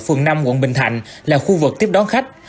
phường năm quận bình thạnh là khu vực tiếp đón khách